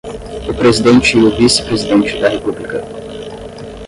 o presidente e o vice-presidente da República